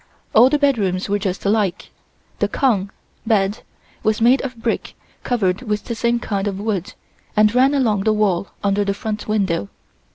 All the bedrooms were just alike. The kong (bed) was made of brick covered with the same kind of wood and ran along the wall under the front window.